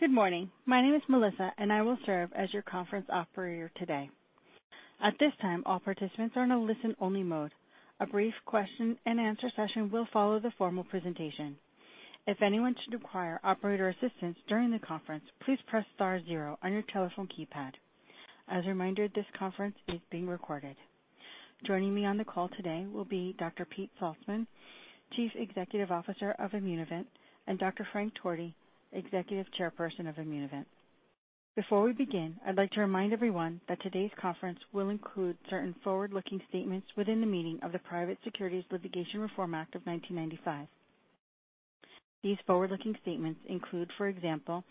Good morning. My name is Melissa, and I will serve as your conference operator today. At this time, all participants are in a listen-only mode. A brief question and answer session will follow the formal presentation. If anyone should require operator assistance during the conference, please press star zero on your telephone keypad. As a reminder, this conference is being recorded. Joining me on the call today will be Dr. Pete Salzmann, Chief Executive Officer of Immunovant, and Dr. Frank Torti, Executive Chairperson of Immunovant. Before we begin, I'd like to remind everyone that today's conference will include certain forward-looking statements within the meaning of the Private Securities Litigation Reform Act of 1995. These forward-looking statements include, for example,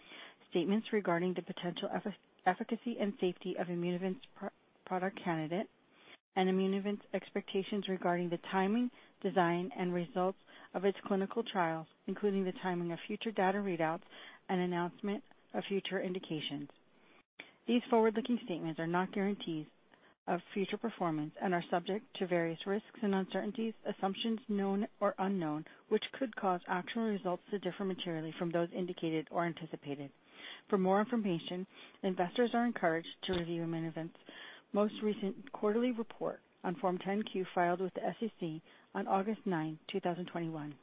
statements regarding the potential efficacy and safety of Immunovant's product candidate and Immunovant's expectations regarding the timing, design, and results of its clinical trials, including the timing of future data readouts and announcement of future indications. These forward-looking statements are not guarantees of future performance and are subject to various risks and uncertainties, assumptions known or unknown, which could cause actual results to differ materially from those indicated or anticipated. For more information, investors are encouraged to review Immunovant's most recent quarterly report on Form 10-Q filed with the SEC on August 9th, 2021.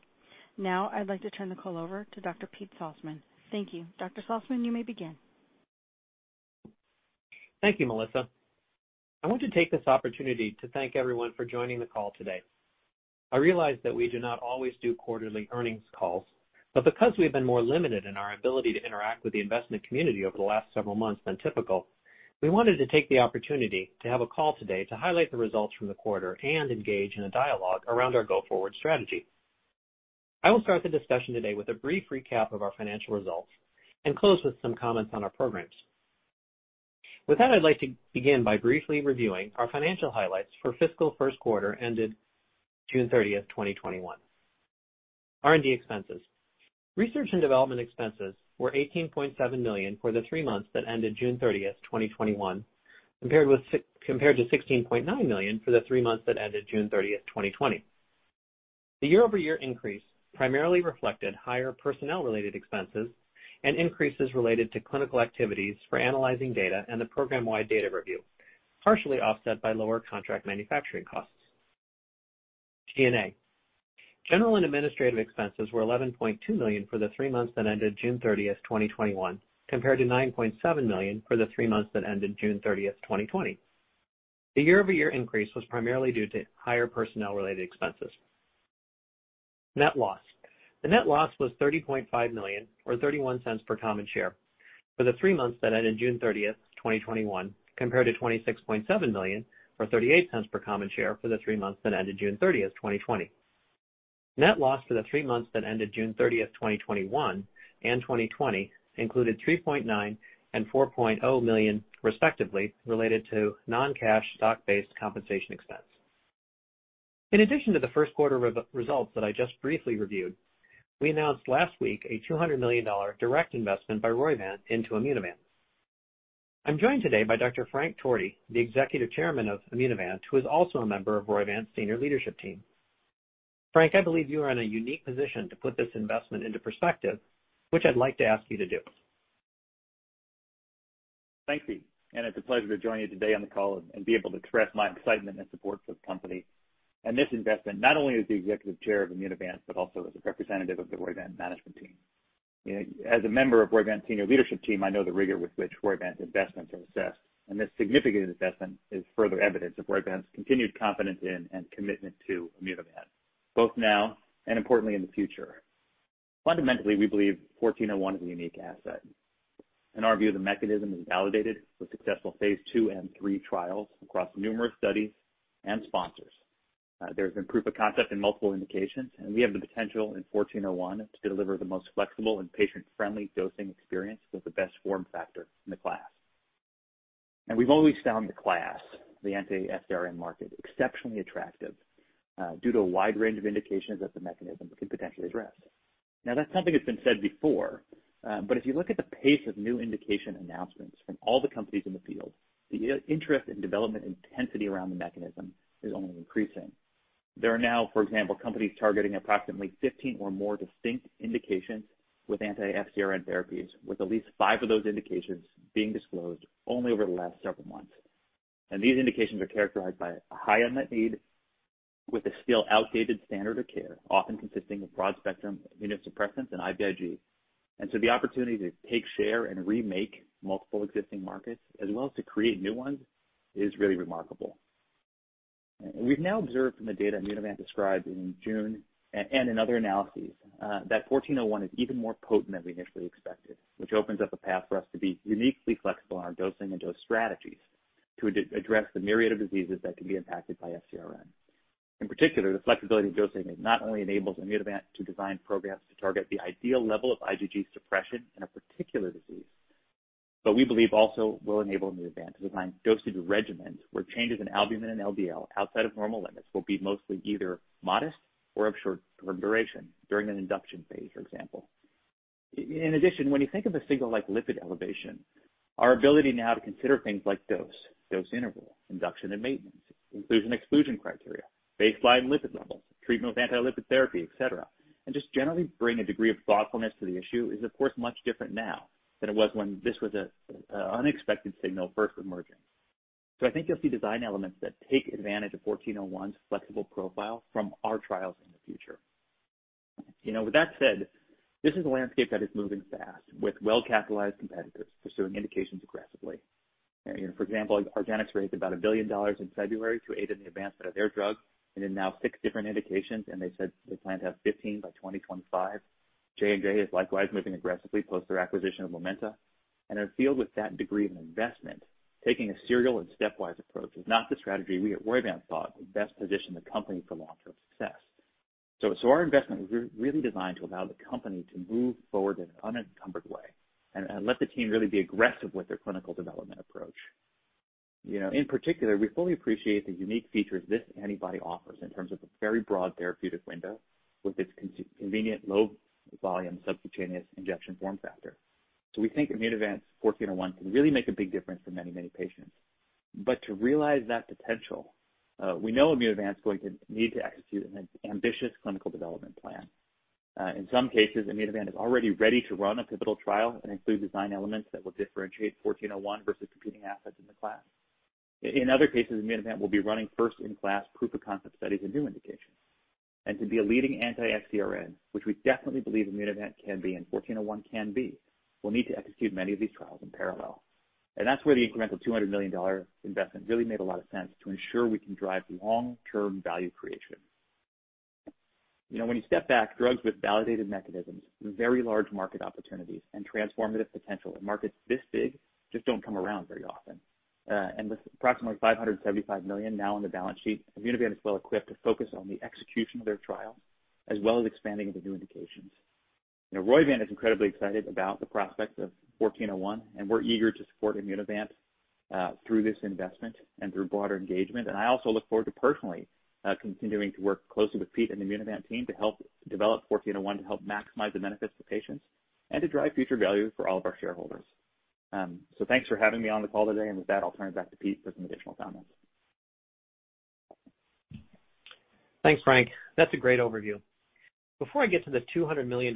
Now I'd like to turn the call over to Dr. Pete Salzmann. Thank you. Dr. Salzmann, you may begin. Thank you, Melissa. I want to take this opportunity to thank everyone for joining the call today. I realize that we do not always do quarterly earnings calls, but because we've been more limited in our ability to interact with the investment community over the last several months than typical, we wanted to take the opportunity to have a call today to highlight the results from the quarter and engage in a dialogue around our go-forward strategy. I will start the discussion today with a brief recap of our financial results and close with some comments on our programs. With that, I'd like to begin by briefly reviewing our financial highlights for fiscal first quarter ended June 30th, 2021. R&D expenses. Research and development expenses were $18.7 million for the three months that ended June 30th, 2021, compared to $16.9 million for the three months that ended June 30th, 2020. The year-over-year increase primarily reflected higher personnel-related expenses and increases related to clinical activities for analyzing data and the program-wide data review, partially offset by lower contract manufacturing costs. G&A. General and administrative expenses were $11.2 million for the three months that ended June 30th, 2021, compared to $9.7 million for the three months that ended June 30th, 2020. The year-over-year increase was primarily due to higher personnel-related expenses. Net loss. The net loss was $30.5 million, or $0.31 per common share, for the three months that ended June 30th, 2021, compared to $26.7 million or $0.38 per common share for the three months that ended June 30th, 2020. Net loss for the three months that ended June 30th, 2021 and 2020 included $3.9 million and $4.0 million, respectively, related to non-cash stock-based compensation expense. In addition to the first quarter results that I just briefly reviewed, we announced last week a $200 million direct investment by Roivant into Immunovant. I am joined today by Dr. Frank Torti, the Executive Chairman of Immunovant, who is also a member of Roivant's senior leadership team. Frank, I believe you are in a unique position to put this investment into perspective, which I would like to ask you to do. Thank you, and it's a pleasure to join you today on the call and be able to express my excitement and support for the company and this investment, not only as the Executive Chair of Immunovant but also as a representative of the Roivant management team. As a member of Roivant's senior leadership team, I know the rigor with which Roivant's investments are assessed, and this significant investment is further evidence of Roivant's continued confidence in and commitment to Immunovant, both now and importantly in the future. Fundamentally, we believe 1401 is a unique asset. In our view, the mechanism is validated with successful phase II and III trials across numerous studies and sponsors. There's been proof of concept in multiple indications, and we have the potential in 1401 to deliver the most flexible and patient-friendly dosing experience with the best form factor in the class. We've always found the class, the anti-FcRn market, exceptionally attractive due to a wide range of indications that the mechanism can potentially address. Now, that's something that's been said before, but if you look at the pace of new indication announcements from all the companies in the field, the interest and development intensity around the mechanism is only increasing. There are now, for example, companies targeting approximately 15 or more distinct indications with anti-FcRn therapies, with at least five of those indications being disclosed only over the last several months. These indications are characterized by a high unmet need with a still outdated standard of care, often consisting of broad-spectrum immunosuppressants and IVIG. The opportunity to take share and remake multiple existing markets, as well as to create new ones, is really remarkable. We've now observed from the data Immunovant described in June and in other analyses that 1401 is even more potent than we initially expected, which opens up a path for us to be uniquely flexible in our dosing and dose strategies to address the myriad of diseases that can be impacted by FcRn. In particular, the flexibility of dosing not only enables Immunovant to design progra`ms to target the ideal level of IgG suppression in a particular disease, but we believe also will enable Immunovant to design dosage regimens where changes in albumin and LDL outside of normal limits will be mostly either modest or of short duration during an induction phase, for example. In addition, when you think of a signal like lipid elevation. Our ability now to consider things like dose, dose interval, induction and maintenance, inclusion/exclusion criteria, baseline lipid levels, treatment with anti-lipid therapy, et cetera, and just generally bring a degree of thoughtfulness to the issue is, of course, much different now than it was when this was an unexpected signal first emerging. I think you'll see design elements that take advantage of 1401's flexible profile from our trials in the future. With that said, this is a landscape that is moving fast, with well-capitalized competitors pursuing indications aggressively. For example, argenx raised about $1 billion in February to aid in the advancement of their drug and in now six different indications, and they said they plan to have 15 by 2025. J&J is likewise moving aggressively post their acquisition of Momenta. In a field with that degree of investment, taking a serial and stepwise approach is not the strategy we at Roivant thought would best position the company for long-term success. Our investment was really designed to allow the company to move forward in an unencumbered way and let the team really be aggressive with their clinical development approach. In particular, we fully appreciate the unique features this antibody offers in terms of a very broad therapeutic window with its convenient low volume subcutaneous injection form factor. We think Immunovant's 1401 can really make a big difference for many, many patients. To realize that potential, we know Immunovant's going to need to execute an ambitious clinical development plan. In some cases, Immunovant is already ready to run a pivotal trial and include design elements that will differentiate 1401 versus competing assets in the class. In other cases, Immunovant will be running first-in-class proof-of-concept studies in new indications. To be a leading anti-FcRn, which we definitely believe Immunovant can be and 1401 can be, we'll need to execute many of these trials in parallel. That's where the incremental $200 million investment really made a lot of sense to ensure we can drive long-term value creation. When you step back, drugs with validated mechanisms, very large market opportunities, and transformative potential in markets this big just don't come around very often. With approximately $575 million now on the balance sheet, Immunovant is well-equipped to focus on the execution of their trial, as well as expanding into new indications. Roivant is incredibly excited about the prospects of 1401, and we're eager to support Immunovant through this investment and through broader engagement. I also look forward to personally continuing to work closely with Pete and the Immunovant team to help develop 1401 to help maximize the benefits to patients and to drive future value for all of our shareholders. Thanks for having me on the call today, and with that, I'll turn it back to Pete for some additional comments. Thanks, Frank. That's a great overview. Before I get to the $200 million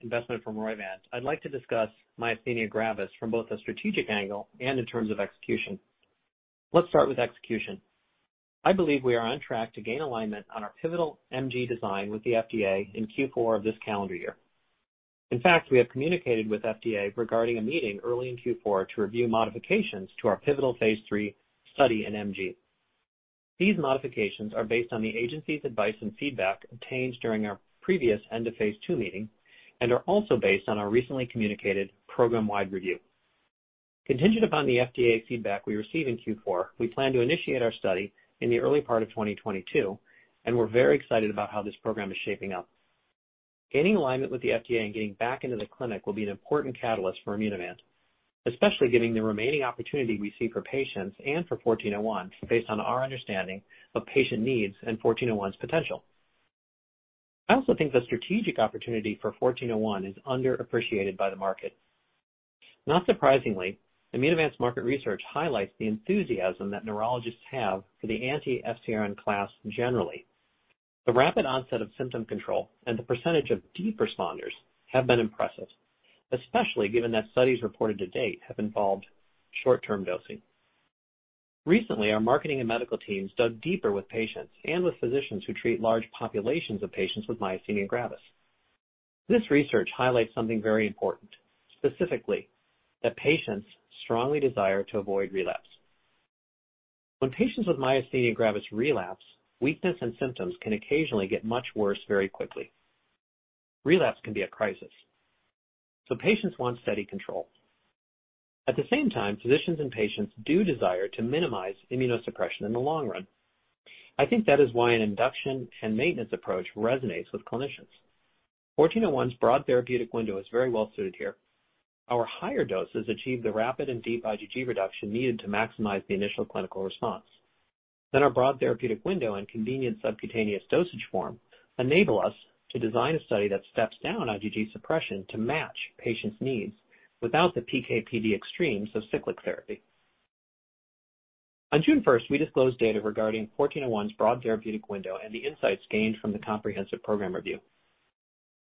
investment from Roivant, I'd like to discuss myasthenia gravis from both a strategic angle and in terms of execution. Let's start with execution. I believe we are on track to gain alignment on our pivotal MG design with the FDA in Q4 of this calendar year. In fact, we have communicated with FDA regarding a meeting early in Q4 to review modifications to our pivotal phase III study in MG. These modifications are based on the agency's advice and feedback obtained during our previous end of phase II meeting and are also based on our recently communicated program-wide review. Contingent upon the FDA feedback we receive in Q4, we plan to initiate our study in the early part of 2022, and we're very excited about how this program is shaping up. Gaining alignment with the FDA and getting back into the clinic will be an important catalyst for Immunovant, especially given the remaining opportunity we see for patients and for 1401 based on our understanding of patient needs and 1401's potential. I also think the strategic opportunity for 1401 is underappreciated by the market. Not surprisingly, Immunovant's market research highlights the enthusiasm that neurologists have for the anti-FcRn class generally. The rapid onset of symptom control and the percentage of deep responders have been impressive, especially given that studies reported to date have involved short-term dosing. Recently, our marketing and medical teams dug deeper with patients and with physicians who treat large populations of patients with myasthenia gravis. This research highlights something very important, specifically, that patients strongly desire to avoid relapse. When patients with myasthenia gravis relapse, weakness and symptoms can occasionally get much worse very quickly. Relapse can be a crisis, so patients want steady control. At the same time, physicians and patients do desire to minimize immunosuppression in the long run. I think that is why an induction and maintenance approach resonates with clinicians. 1401's broad therapeutic window is very well suited here. Our higher doses achieve the rapid and deep IgG reduction needed to maximize the initial clinical response. Our broad therapeutic window and convenient subcutaneous dosage form enable us to design a study that steps down IgG suppression to match patients' needs without the PK/PD extremes of cyclic therapy. On June 1st, we disclosed data regarding 1401's broad therapeutic window and the insights gained from the comprehensive program review.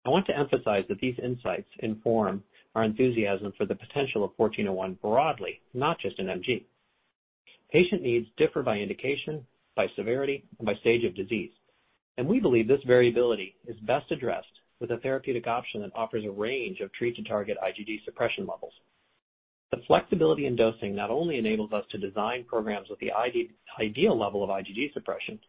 I want to emphasize that these insights inform our enthusiasm for the potential of 1401 broadly, not just in MG. Patient needs differ by indication, by severity, and by stage of disease, and we believe this variability is best addressed with a therapeutic option that offers a range of treat-to-target IgG suppression levels. The flexibility in dosing not only enables us to design programs with the ideal level of IgG suppression,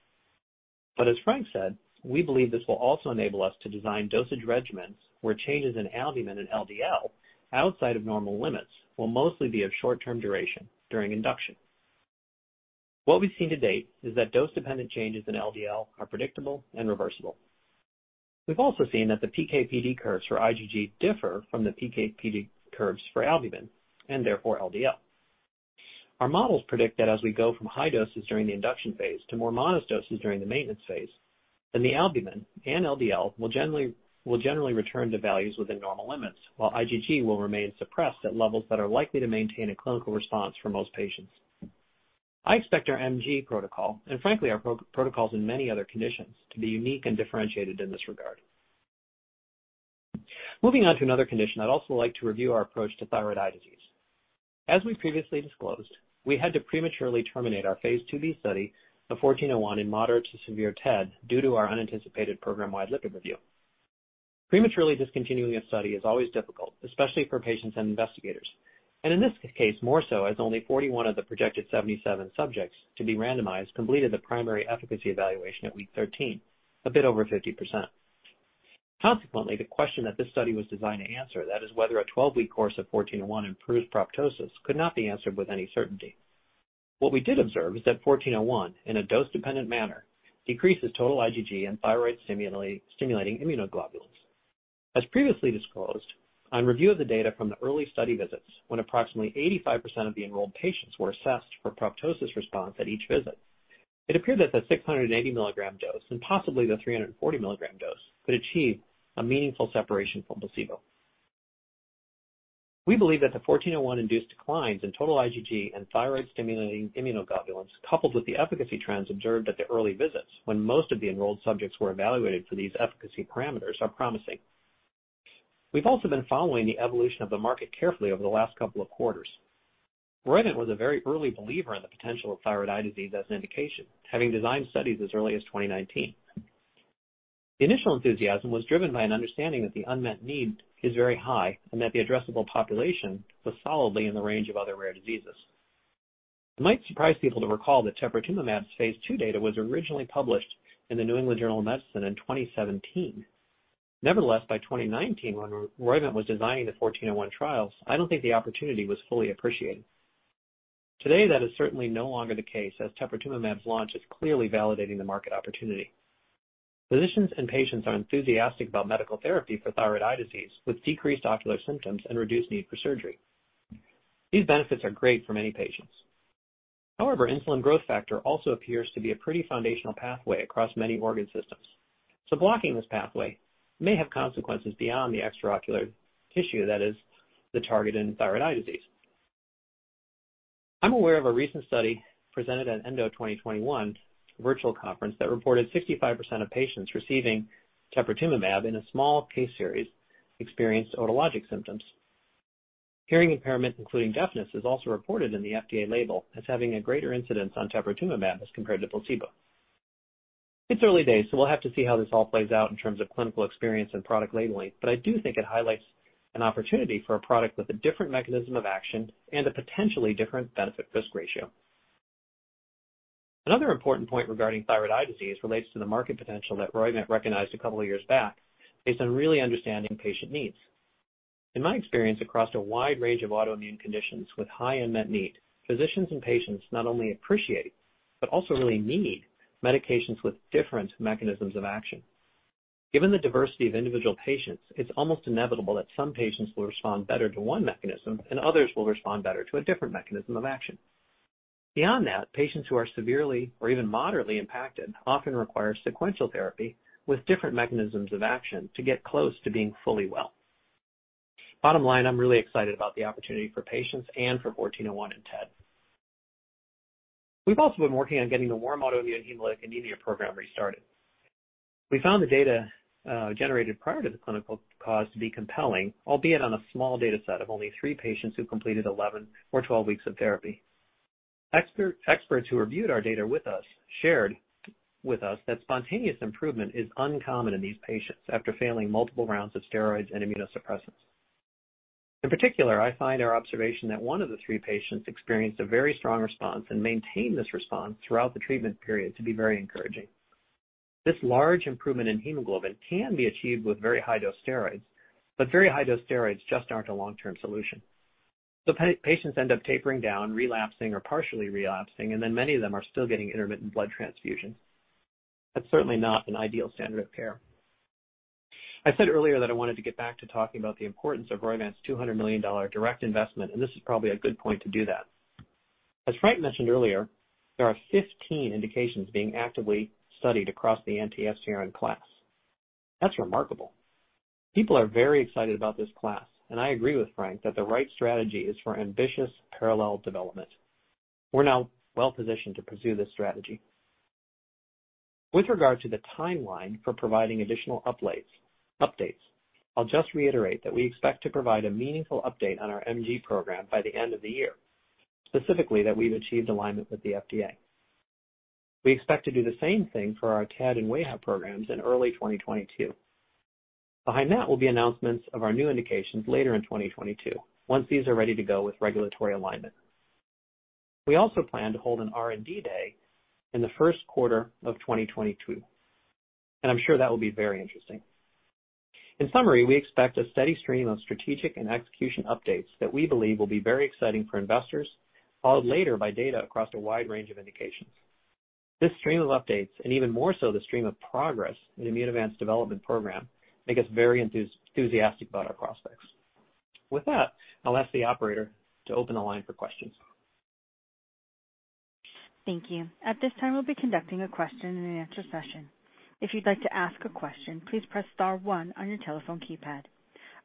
but as Frank said, we believe this will also enable us to design dosage regimens where changes in albumin and LDL outside of normal limits will mostly be of short-term duration during induction. What we've seen to date is that dose-dependent changes in LDL are predictable and reversible. We've also seen that the PK/PD curves for IgG differ from the PK/PD curves for albumin, and therefore LDL. Our models predict that as we go from high doses during the induction phase to more modest doses during the maintenance phase, then the albumin and LDL will generally return to values within normal limits, while IgG will remain suppressed at levels that are likely to maintain a clinical response for most patients. I expect our MG protocol, and frankly, our protocols in many other conditions, to be unique and differentiated in this regard. Moving on to another condition, I'd also like to review our approach to thyroid eye disease. As we previously disclosed, we had to prematurely terminate our phase II-B study of 1401 in moderate to severe TED due to our unanticipated program-wide literature review. Prematurely discontinuing a study is always difficult, especially for patients and investigators, and in this case, more so, as only 41 of the projected 77 subjects to be randomized completed the primary efficacy evaluation at week 13. A bit over 50%. Consequently, the question that this study was designed to answer, that is whether a 12-week course of 1401 improves proptosis, could not be answered with any certainty. What we did observe is that 1401, in a dose-dependent manner, decreases total IgG and thyroid-stimulating immunoglobulins. As previously disclosed, on review of the data from the early study visits, when approximately 85% of the enrolled patients were assessed for proptosis response at each visit, it appeared that the 680 mg dose, and possibly the 340 mg dose, could achieve a meaningful separation from placebo. We believe that the 1401-induced declines in total IgG and thyroid-stimulating immunoglobulins, coupled with the efficacy trends observed at the early visits when most of the enrolled subjects were evaluated for these efficacy parameters, are promising. We've also been following the evolution of the market carefully over the last couple of quarters. Roivant was a very early believer in the potential of thyroid eye disease as an indication, having designed studies as early as 2019. The initial enthusiasm was driven by an understanding that the unmet need is very high and that the addressable population was solidly in the range of other rare diseases. It might surprise people to recall that teprotumumab's phase II data was originally published in the New England Journal of Medicine in 2017. Nevertheless, by 2019, when Roivant was designing the 1401 trials, I don't think the opportunity was fully appreciated. Today, that is certainly no longer the case, as teprotumumab's launch is clearly validating the market opportunity. Physicians and patients are enthusiastic about medical therapy for thyroid eye disease, with decreased ocular symptoms and reduced need for surgery. These benefits are great for many patients. However, insulin growth factor also appears to be a pretty foundational pathway across many organ systems. Blocking this pathway may have consequences beyond the extraocular tissue that is the target in thyroid eye disease. I'm aware of a recent study presented at ENDO 2021 virtual conference that reported 65% of patients receiving teprotumumab in a small case series experienced otologic symptoms. Hearing impairment, including deafness, is also reported in the FDA label as having a greater incidence on teprotumumab as compared to placebo. It's early days, so we'll have to see how this all plays out in terms of clinical experience and product labeling, but I do think it highlights an opportunity for a product with a different mechanism of action and a potentially different benefit/risk ratio. Another important point regarding thyroid eye disease relates to the market potential that Roivant recognized a couple of years back based on really understanding patient needs. In my experience, across a wide range of autoimmune conditions with high unmet need, physicians and patients not only appreciate, but also really need medications with different mechanisms of action. Given the diversity of individual patients, it's almost inevitable that some patients will respond better to one mechanism, and others will respond better to a different mechanism of action. Beyond that, patients who are severely or even moderately impacted often require sequential therapy with different mechanisms of action to get close to being fully well. Bottom line, I'm really excited about the opportunity for patients and for 1401 in TED. We've also been working on getting the warm autoimmune hemolytic anemia program restarted. We found the data generated prior to the clinical pause to be compelling, albeit on a small data set of only three patients who completed 11 or 12 weeks of therapy. Experts who reviewed our data with us shared with us that spontaneous improvement is uncommon in these patients after failing multiple rounds of steroids and immunosuppressants. In particular, I find our observation that one of the three patients experienced a very strong response and maintained this response throughout the treatment period to be very encouraging. This large improvement in hemoglobin can be achieved with very high-dose steroids, but very high-dose steroids just aren't a long-term solution. Patients end up tapering down, relapsing or partially relapsing, and then many of them are still getting intermittent blood transfusions. That's certainly not an ideal standard of care. I said earlier that I wanted to get back to talking about the importance of Roivant's $200 million direct investment, and this is probably a good point to do that. As Frank mentioned earlier, there are 15 indications being actively studied across the anti-FcRn class. That's remarkable. People are very excited about this class, and I agree with Frank that the right strategy is for ambitious parallel development. We're now well-positioned to pursue this strategy. With regard to the timeline for providing additional updates, I'll just reiterate that we expect to provide a meaningful update on our MG program by the end of the year, specifically that we've achieved alignment with the FDA. We expect to do the same thing for our TED and wAIHA programs in early 2022. Behind that will be announcements of our new indications later in 2022, once these are ready to go with regulatory alignment. We also plan to hold an R&D day in the first quarter of 2022, and I'm sure that will be very interesting. In summary, we expect a steady stream of strategic and execution updates that we believe will be very exciting for investors, followed later by data across a wide range of indications. This stream of updates, and even more so, the stream of progress in Immunovant's development program, make us very enthusiastic about our prospects. With that, I'll ask the operator to open the line for questions. Thank you. At this time, we'll be conducting a question and answer session. If you'd like to ask a question, please press star one on your telephone keypad.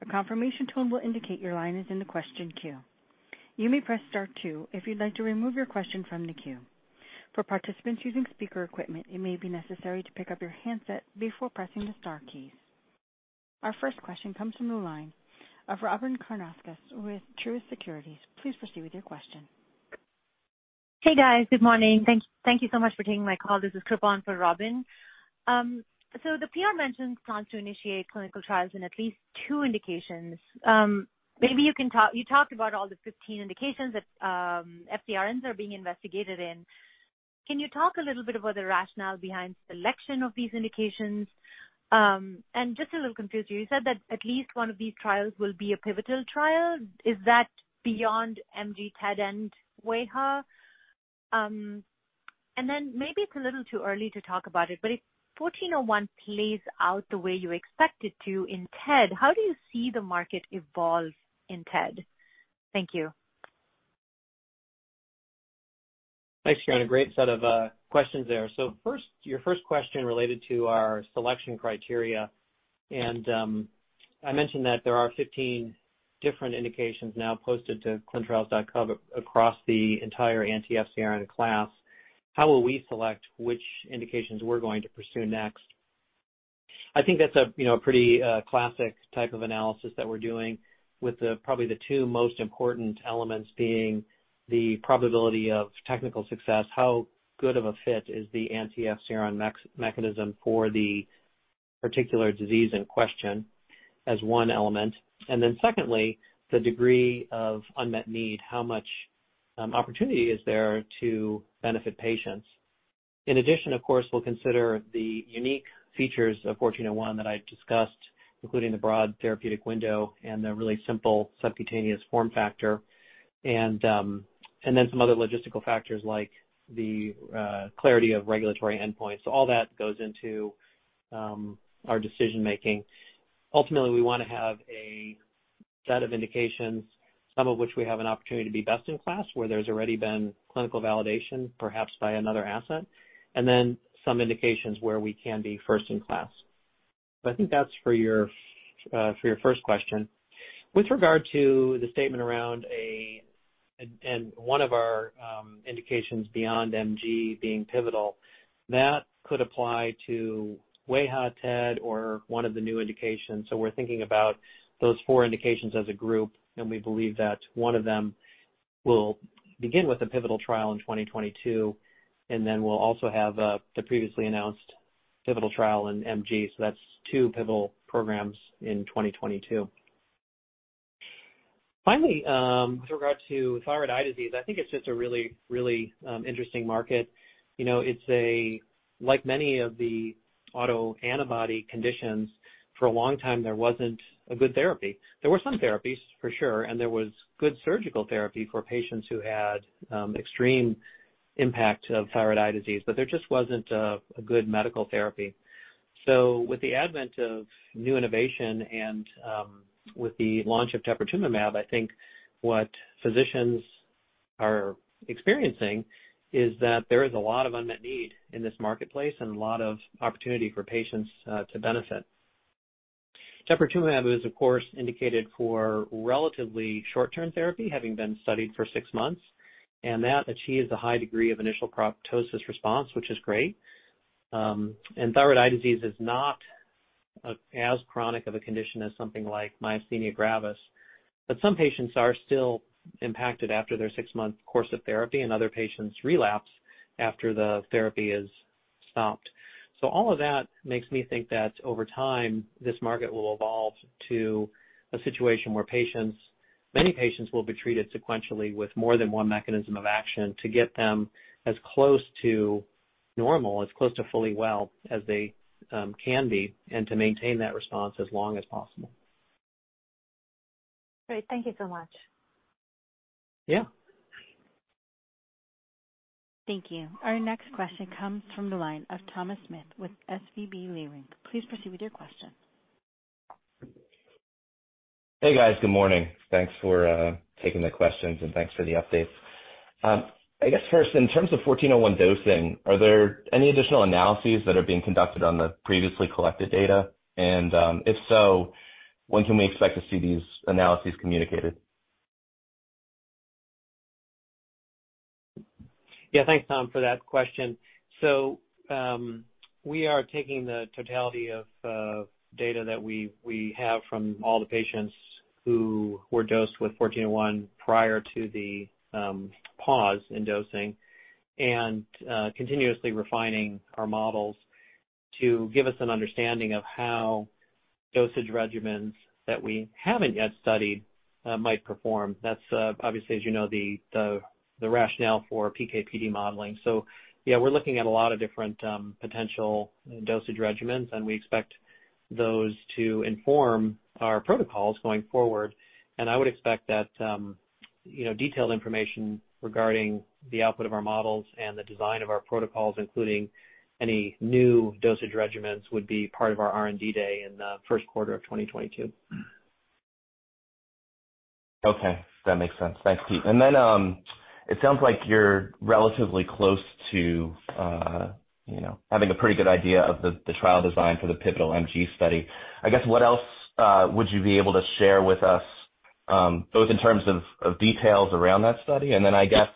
A confirmation tone will indicate your line is in the question queue. You may press star two if you'd like to remove your question from the queue. For participants using speaker equipment, it may be necessary to pick up your handset before pressing the star keys. Our first question comes from the line of Robyn Karnauskas with Truist Securities. Please proceed with your question. Hey, guys. Good morning. Thank you so much for taking my call. This is Kripa on for Robyn. The PR mentions plans to initiate clinical trials in at least two indications. You talked about all the 15 indications that FcRns are being investigated in. Can you talk a little bit about the rationale behind selection of these indications? Just a little confused, you said that at least one of these trials will be a pivotal trial. Is that beyond MG, TED and wAIHA? Maybe it's a little too early to talk about it, but if 1401 plays out the way you expect it to in TED, how do you see the market evolve in TED? Thank you. Thanks. A great set of questions there. First, your first question related to our selection criteria, and I mentioned that there are 15 different indications now posted to clinicaltrials.gov across the entire anti-FcRn class. How will we select which indications we're going to pursue next? I think that's a pretty classic type of analysis that we're doing with probably the two most important elements being the probability of technical success, how good of a fit is the anti-FcRn mechanism for the particular disease in question as one element, and then secondly, the degree of unmet need, how much opportunity is there to benefit patients. In addition, of course, we'll consider the unique features of 1401 that I discussed, including the broad therapeutic window and the really simple subcutaneous form factor, and then some other logistical factors like the clarity of regulatory endpoints. All that goes into our decision making. Ultimately, we want to have a set of indications, some of which we have an opportunity to be best in class, where there's already been clinical validation, perhaps by another asset, and then some indications where we can be first in class. I think that's for your first question. With regard to the statement around one of our indications beyond MG being pivotal, that could apply to wAIHA, TED, or one of the new indications. We're thinking about those four indications as a group, and we believe that one of them will begin with a pivotal trial in 2022, and then we'll also have the previously announced pivotal trial in MG. That's two pivotal programs in 2022. Finally, with regard to thyroid eye disease, I think it's just a really interesting market. Like many of the autoantibody conditions, for a long time, there wasn't a good therapy. There were some therapies, for sure, and there was good surgical therapy for patients who had extreme impact of thyroid eye disease, but there just wasn't a good medical therapy. With the advent of new innovation and with the launch of teprotumumab, I think what physicians are experiencing is that there is a lot of unmet need in this marketplace and a lot of opportunity for patients to benefit. teprotumumab is, of course, indicated for relatively short-term therapy, having been studied for six months, and that achieves a high degree of initial proptosis response, which is great. Thyroid eye disease is not as chronic of a condition as something like myasthenia gravis. Some patients are still impacted after their six-month course of therapy, and other patients relapse after the therapy is stopped. All of that makes me think that over time, this market will evolve to a situation where many patients will be treated sequentially with more than one mechanism of action to get them as close to normal, as close to fully well as they can be, and to maintain that response as long as possible. Great. Thank you so much. Yeah. Thank you. Our next question comes from the line of Thomas Smith with SVB Leerink. Please proceed with your question. Hey, guys. Good morning. Thanks for taking the questions and thanks for the updates. I guess first, in terms of 1401 dosing, are there any additional analyses that are being conducted on the previously collected data? If so, when can we expect to see these analyses communicated? Yeah. Thanks, Tom, for that question. We are taking the totality of data that we have from all the patients who were dosed with 1401 prior to the pause in dosing and continuously refining our models to give us an understanding of how dosage regimens that we haven't yet studied might perform. That's obviously, as you know, the rationale for PK/PD modeling. Yeah, we're looking at a lot of different potential dosage regimens, and we expect those to inform our protocols going forward. I would expect that Detailed information regarding the output of our models and the design of our protocols, including any new dosage regimens, would be part of our R&D day in the first quarter of 2022. Okay. That makes sense. Thanks, Pete. It sounds like you're relatively close to having a pretty good idea of the trial design for the pivotal MG study. I guess, what else would you be able to share with us, both in terms of details around that study, and then I guess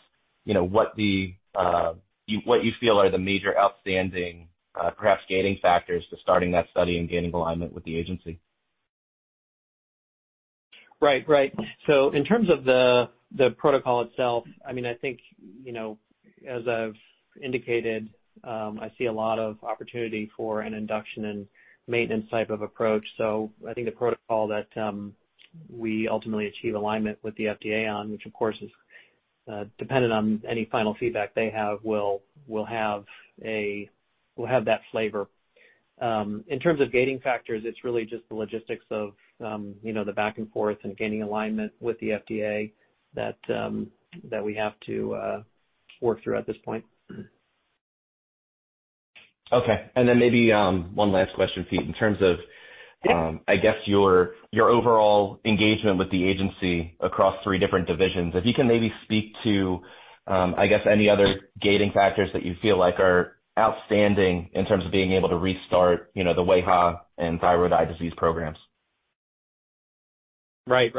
what you feel are the major outstanding perhaps gating factors to starting that study and gaining alignment with the agency? Right. In terms of the protocol itself, I think as I've indicated, I see a lot of opportunity for an induction and maintenance type of approach. I think the protocol that we ultimately achieve alignment with the FDA on, which of course is dependent on any final feedback they have, will have that flavor. In terms of gating factors, it's really just the logistics of the back and forth and gaining alignment with the FDA that we have to work through at this point. Okay. maybe one last question, Pete. In terms of. Yeah I guess your overall engagement with the agency across three different divisions, if you can maybe speak to I guess any other gating factors that you feel like are outstanding in terms of being able to restart the wAIHA and thyroid eye disease programs. Right.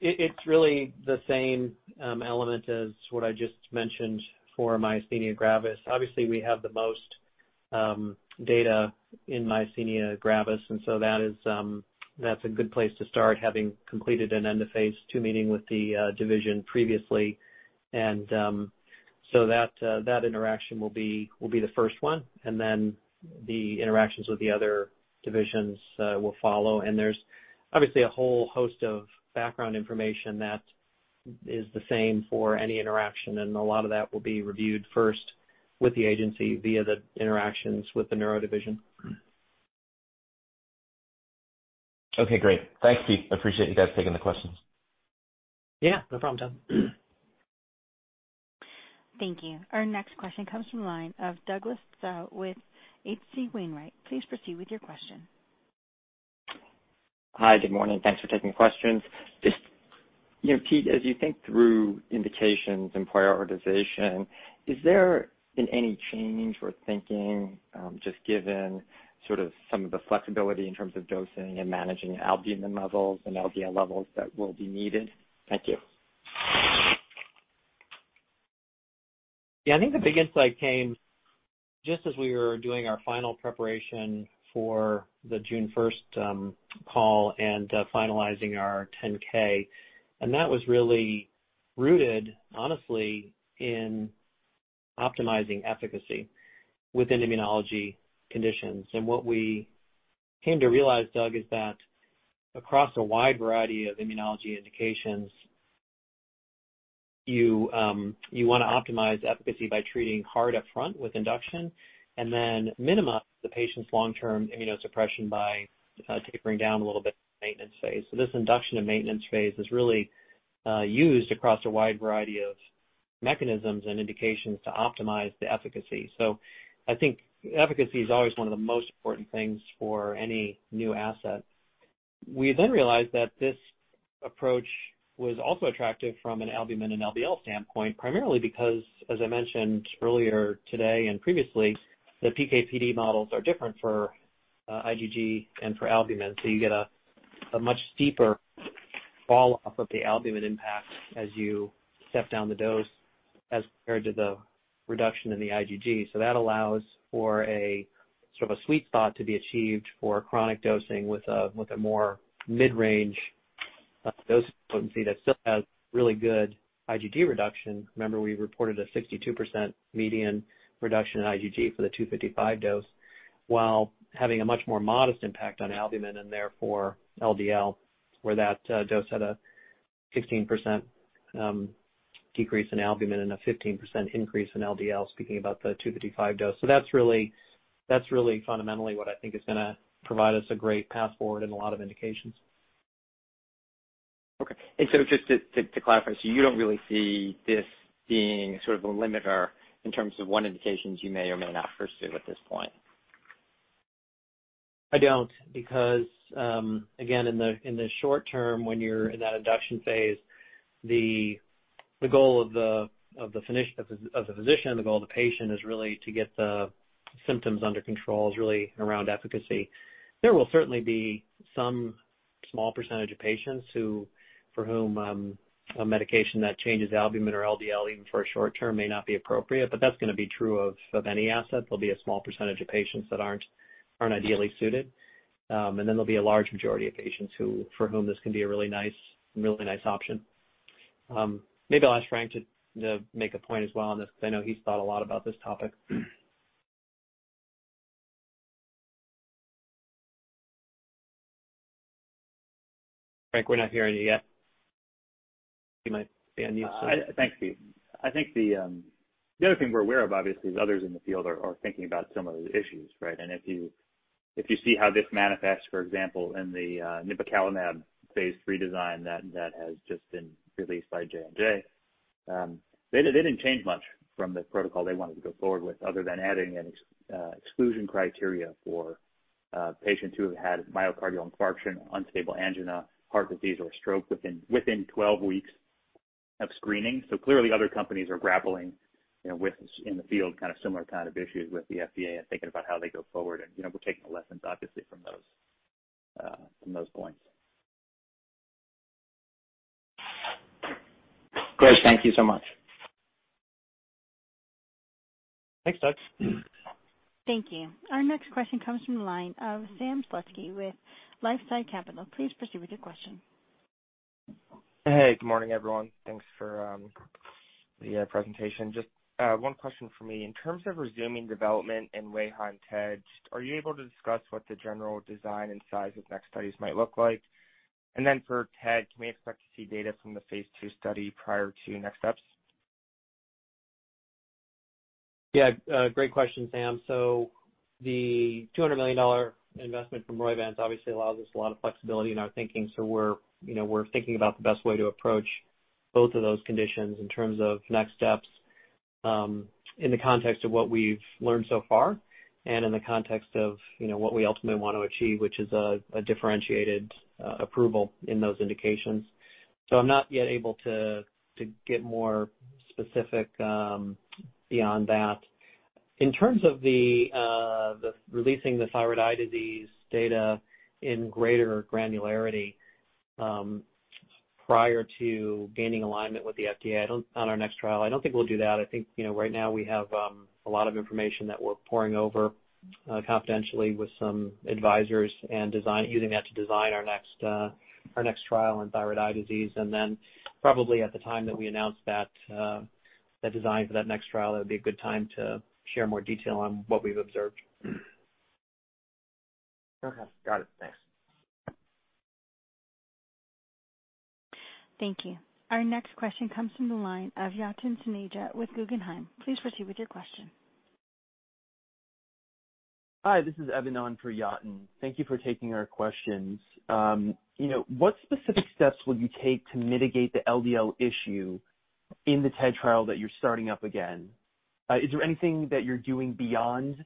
It's really the same element as what I just mentioned for myasthenia gravis. Obviously, we have the most data in myasthenia gravis, and so that's a good place to start having completed an end of phase II meeting with the division previously. That interaction will be the first one, and then the interactions with the other divisions will follow. There's obviously a whole host of background information that is the same for any interaction, and a lot of that will be reviewed first with the agency via the interactions with the neuro division. Okay, great. Thanks, Pete. Appreciate you guys taking the questions. Yeah, no problem, John. Thank you. Our next question comes from the line of Douglas Tsao with H.C. Wainwright. Please proceed with your question. Hi. Good morning. Thanks for taking questions. Just, Pete, as you think through indications and prioritization, is there been any change or thinking, just given sort of some of the flexibility in terms of dosing and managing albumin levels and LDL levels that will be needed? Thank you. Yeah, I think the big insight came just as we were doing our final preparation for the June 1st call and finalizing our 10K, and that was really rooted, honestly, in optimizing efficacy within immunology conditions. What we came to realize, Doug, is that across a wide variety of immunology indications, you want to optimize efficacy by treating hard upfront with induction and then minimize the patient's long-term immunosuppression by tapering down a little bit in the maintenance phase. This induction and maintenance phase is really used across a wide variety of mechanisms and indications to optimize the efficacy. I think efficacy is always one of the most important things for any new asset. We then realized that this approach was also attractive from an albumin and LDL standpoint, primarily because, as I mentioned earlier today and previously, the PK/PD models are different for IgG and for albumin. You get a much steeper fall off of the albumin impact as you step down the dose as compared to the reduction in the IgG. That allows for sort of a sweet spot to be achieved for chronic dosing with a more mid-range dose potency that still has really good IgG reduction. Remember, we reported a 62% median reduction in IgG for the 255 dose while having a much more modest impact on albumin and therefore LDL, where that dose had a 16% decrease in albumin and a 15% increase in LDL, speaking about the 255 dose. That's really fundamentally what I think is going to provide us a great path forward in a lot of indications. Okay. just to clarify, so you don't really see this being sort of a limiter in terms of what indications you may or may not pursue at this point? I don't, because, again, in the short term, when you're in that induction phase, the goal of the physician, the goal of the patient is really to get the symptoms under control, is really around efficacy. There will certainly be some small percentage of patients for whom a medication that changes albumin or LDL even for a short term may not be appropriate, but that's going to be true of any asset. There'll be a small percentage of patients that aren't ideally suited. There'll be a large majority of patients for whom this can be a really nice option. Maybe I'll ask Frank to make a point as well on this because I know he's thought a lot about this topic. Frank, we're not hearing you yet. You might be on mute still. Thanks, Pete. I think the other thing we're aware of, obviously, is others in the field are thinking about some of the issues, right? If you see how this manifests, for example, in the nipocalimab phase III design that has just been released by J&J. They didn't change much from the protocol they wanted to go forward with other than adding an exclusion criteria for patients who have had myocardial infarction, unstable angina, heart disease, or stroke within 12 weeks of screening. Clearly other companies are grappling in the field, similar kind of issues with the FDA and thinking about how they go forward. We're taking the lessons, obviously, from those points. Great. Thank you so much. Thanks, Doug. Thank you. Our next question comes from the line of Sam Slutsky with LifeSci Capital. Please proceed with your question. Hey, good morning, everyone. Thanks for the presentation. Just one question from me. In terms of resuming development in wAIHA and TED, are you able to discuss what the general design and size of next studies might look like? For TED, can we expect to see data from the phase II study prior to next steps? Yeah. Great question, Sam. the $200 million investment from Roivant obviously allows us a lot of flexibility in our thinking. we're thinking about the best way to approach both of those conditions in terms of next steps, in the context of what we've learned so far and in the context of what we ultimately want to achieve, which is a differentiated approval in those indications. I'm not yet able to get more specific beyond that. In terms of the releasing the thyroid eye disease data in greater granularity prior to gaining alignment with the FDA on our next trial, I don't think we'll do that. I think right now we have a lot of information that we're poring over confidentially with some advisors and using that to design our next trial in thyroid eye disease. Probably at the time that we announce that design for that next trial, that would be a good time to share more detail on what we've observed. Okay. Got it. Thanks. Thank you. Our next question comes from the line of Yatin Suneja with Guggenheim. Please proceed with your question. Hi, this is Evan on for Yatin. Thank you for taking our questions. What specific steps will you take to mitigate the LDL issue in the TED trial that you're starting up again? Is there anything that you're doing beyond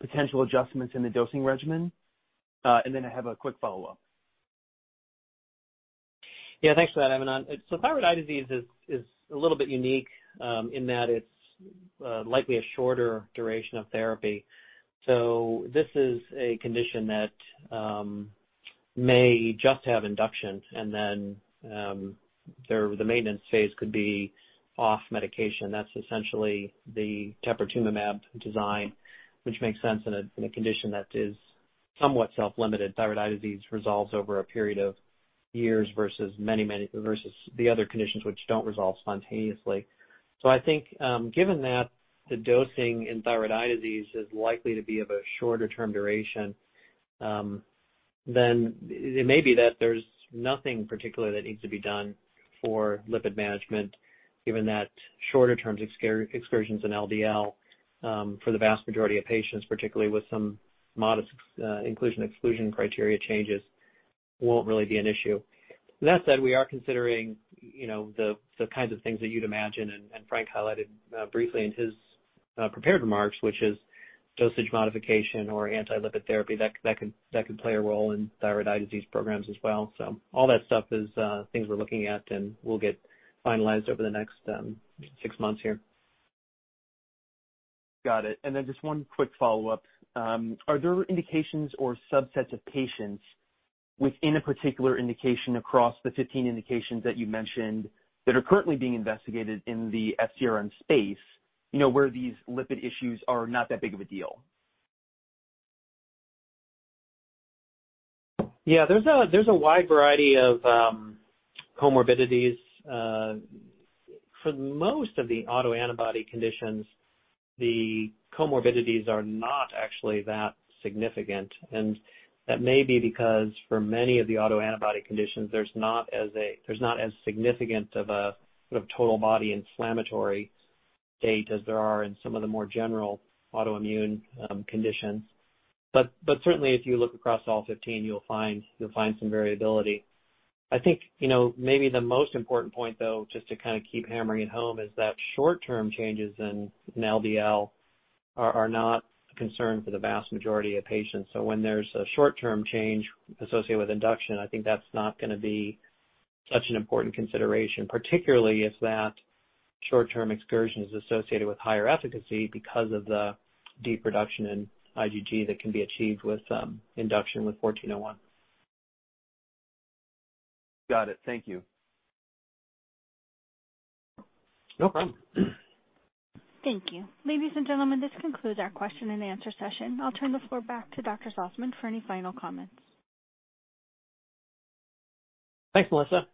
potential adjustments in the dosing regimen? I have a quick follow-up. Yeah, thanks for that, Evan. Thyroid eye disease is a little bit unique in that it's likely a shorter duration of therapy. This is a condition that may just have induction and then the maintenance phase could be off medication. That's essentially the teprotumumab design, which makes sense in a condition that is somewhat self-limited. Thyroid eye disease resolves over a period of years versus the other conditions which don't resolve spontaneously. I think given that the dosing in thyroid eye disease is likely to be of a shorter term duration, then it may be that there's nothing particular that needs to be done for lipid management, given that shorter term excursions in LDL for the vast majority of patients, particularly with some modest inclusion exclusion criteria changes, won't really be an issue. That said, we are considering the kinds of things that you'd imagine and Frank highlighted briefly in his prepared remarks, which is dosage modification or anti-lipid therapy that could play a role in thyroid eye disease programs as well. All that stuff is things we're looking at and will get finalized over the next six months here. Got it. Just one quick follow-up. Are there indications or subsets of patients within a particular indication across the 15 indications that you mentioned that are currently being investigated in the FcRn space, where these lipid issues are not that big of a deal? Yeah, there's a wide variety of comorbidities. For most of the autoantibody conditions, the comorbidities are not actually that significant. That may be because for many of the autoantibody conditions, there's not as significant of a total body inflammatory state as there are in some of the more general autoimmune conditions. Certainly, if you look across all 15, you'll find some variability. I think maybe the most important point, though, just to kind of keep hammering it home, is that short-term changes in LDL are not a concern for the vast majority of patients. When there's a short-term change associated with induction, I think that's not going to be such an important consideration, particularly if that short-term excursion is associated with higher efficacy because of the deep reduction in IgG that can be achieved with induction with 1401. Got it. Thank you. No problem. Thank you. Ladies and gentlemen, this concludes our question and answer session. I'll turn the floor back to Dr. Salzmann for any final comments. Thanks, Melissa.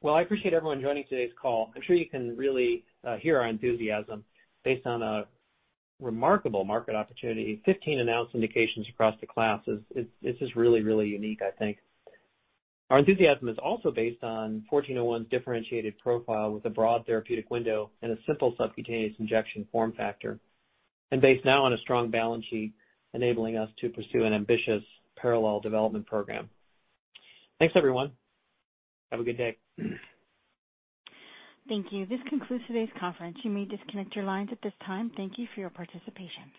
Well, I appreciate everyone joining today's call. I'm sure you can really hear our enthusiasm based on a remarkable market opportunity. 15 announced indications across the class is just really, really unique, I think. Our enthusiasm is also based on 1401's differentiated profile with a broad therapeutic window and a simple subcutaneous injection form factor, and based now on a strong balance sheet enabling us to pursue an ambitious parallel development program. Thanks, everyone. Have a good day. Thank you. This concludes today's conference. You may disconnect your lines at this time. Thank you for your participation.